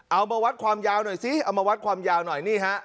เอามาวัดความยาวหน่อยซิเอามาวัดความยาวหน่อยนี่ฮะ